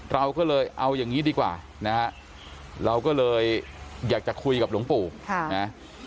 เราก็เลยเอาอย่างนี้ดีกว่านะฮะเราก็เลยอยากจะคุยกับหลวงปู่นะ